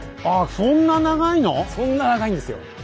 そんな長いんですよ。